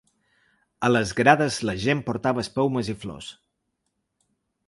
A les grades la gent portava espelmes i flors.